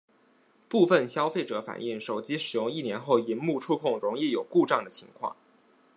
部份消费者反应手机使用一年后萤幕触控容易有故障的情况。